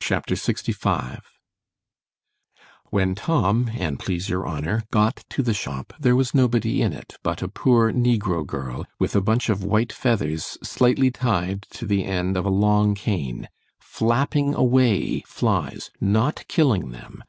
C H A P. LXV WHEN Tom, an' please your honour, got to the shop, there was nobody in it, but a poor negro girl, with a bunch of white feathers slightly tied to the end of a long cane, flapping away flies—not killing them.